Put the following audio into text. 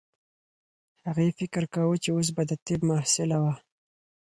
هغې فکر کاوه چې اوس به د طب محصله وه